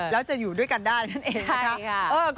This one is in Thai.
แล้วจะอยู่ด้วยกันได้นั่นเองนะคะ